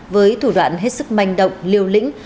với thủ đoạn hết sức manh động liều lĩnh